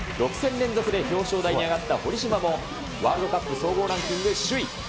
６戦連続で表彰台に上がった堀島も、ワールドカップ総合ランキング首位。